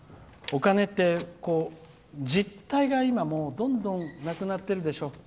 お金って、実態が、今どんどんなくなってるでしょ。